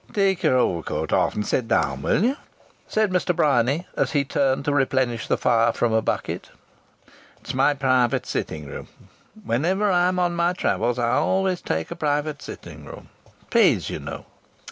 "Take your overcoat off and sit down, will you?" said Mr. Bryany, as he turned to replenish the fire from a bucket. "It's my private sitting room. Whenever I am on my travels I always take a private sitting room. It pays, you know....